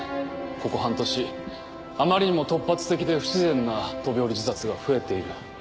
ここ半年あまりにも突発的で不自然な飛び降り自殺が増えている。